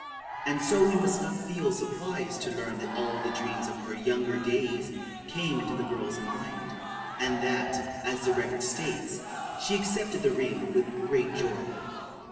And so we must not feel surprised to learn that all the dreams of her younger days came into the girl's mind, and that, as the record states, "she accepted the ring with great joy."